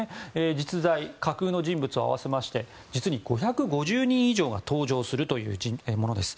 実在、架空の人物を合わせまして実に５５０人以上が登場するというものです。